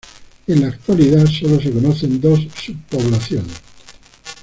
En la actualidad solo se conocen dos subpoblaciones.